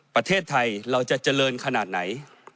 ประเทศไทยเราจะเจริญขนาดไหน